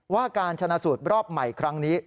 การชนะสูตรรอบใหม่ครั้งนี้